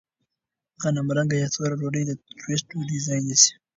غنمرنګه یا توره ډوډۍ د ټوسټ ډوډۍ ځای نیسي.